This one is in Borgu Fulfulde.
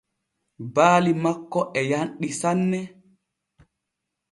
Baali makko e yanɗi sane.